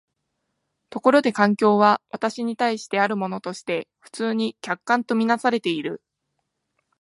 ところで環境は私に対してあるものとして普通に客観と看做されている。